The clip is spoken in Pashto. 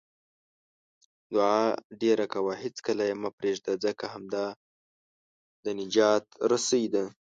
دعاء ډېره کوه، هیڅکله یې مه پرېږده، ځکه همدا د نجات رسۍ ده